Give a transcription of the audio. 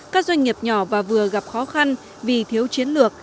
các doanh nghiệp nhỏ và vừa gặp khó khăn vì thiếu chiến lược